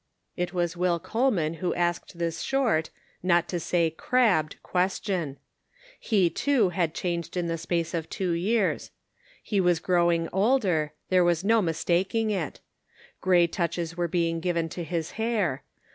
It was Will Coleman who asked this short, not to say crabbed, question. He, too, had changed in the space of two years. He was growing older, there was no mistaking it; gray touches were being given to his hair.